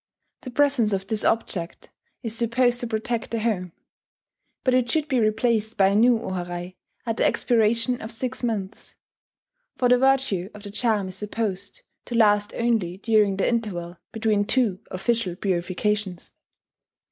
The presence of this object is supposed to protect the home; but it should be replaced by a new o harai at the expiration of six months; for the virtue of the charm is supposed to last only during the interval between two official purifications.